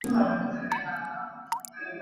আমরা আমাদের গান রেকর্ড করতাম।